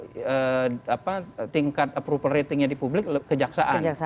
yang lebih menonjol tingkat approval ratingnya di publik kejaksaan